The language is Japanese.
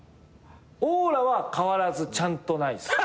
オーラは変わらずちゃんとないっす。